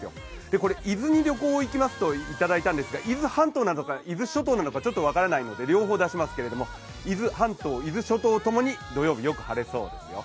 これ、伊豆に旅行に行きますといただいたんですが、伊豆半島なのか伊豆諸島なのか分からないので、両方出しますけれども、伊豆半島、伊豆諸島ともに土曜日、よく晴れそうですよ。